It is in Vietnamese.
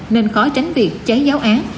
nên khó tránh việc cháy giáo án